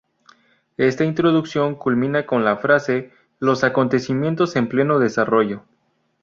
Esta introducción culmina con la frase ""los acontecimientos en pleno desarrollo"".